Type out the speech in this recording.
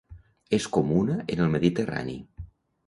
És comuna en el Mediterrani.